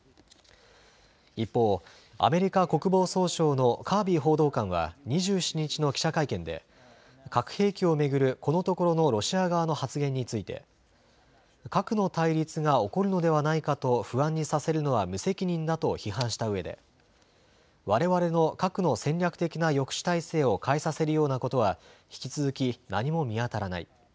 一方、アメリカ国防総省のカービー報道官は２７日の記者会見で核兵器を巡るこのところのロシア側の発言について核の対立が起こるのではないかと不安にさせるのは無責任だと批判したうえでわれわれの核の戦略的な抑止態勢を変えさせるようなことは引き続き、何も見当たらない。